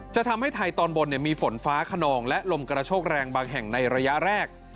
จะทำให้ไทยตอนบนมีฝนฟ้าขนองและลมกระโชกแรงบางแห่งในระยะแรก